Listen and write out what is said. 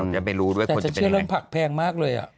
จะไปรู้ทดินขึ้นผักแพงมากเลย